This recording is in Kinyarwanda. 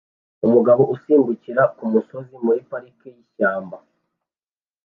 Umugabo usimbukira kumusozi muri parike yishyamba